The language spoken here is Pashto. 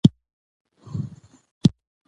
نور څنګه يې؟